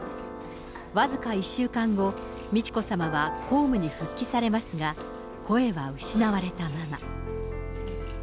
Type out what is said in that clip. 僅か１週間後、美智子さまは公務に復帰されますが、声は失われたまま。